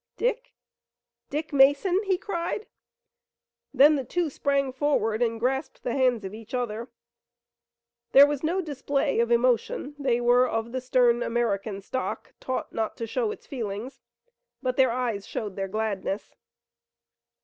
"Dick! Dick Mason!" he cried. Then the two sprang forward and grasped the hands of each other. There was no display of emotion they were of the stern American stock, taught not to show its feelings but their eyes showed their gladness.